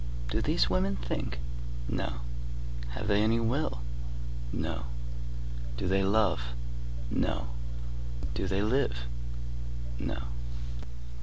Do these women think? No. Have they any will? No. Do they love? No. Do they live? No.